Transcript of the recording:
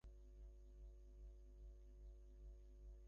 ব্যস্ত হচ্ছি না তো!